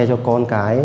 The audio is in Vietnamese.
cho con cái